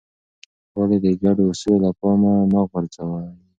ولې د ګډو اصولو له پامه مه غورځوې؟